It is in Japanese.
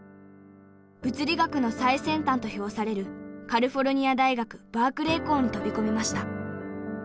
物理学の最先端と評されるカリフォルニア大学バークレー校に飛び込みました。